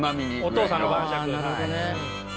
お父さんの晩酌。